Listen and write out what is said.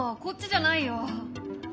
こっちじゃないよ。